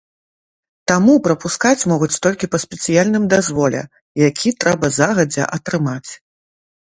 Таму прапускаць могуць толькі па спецыяльным дазволе, які трэба загадзя атрымаць.